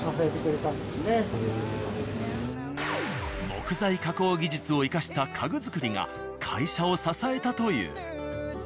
木材加工技術を生かした家具作りが会社を支えたという。